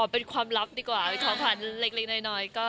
เป็นความลับดีกว่าความฝันเล็กน้อย